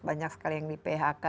banyak sekali yang di phk